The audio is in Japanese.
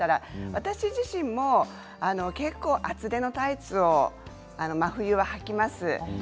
私自身も結構、厚手のタイツを真冬は、はきます。